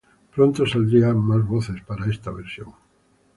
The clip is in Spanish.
Pronto saldrían mas voces para esta versión.